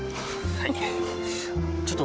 はい。